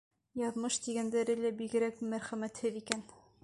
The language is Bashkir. Яҙмыш тигәндәре лә бигерәк мәрхәмәтһеҙ икән.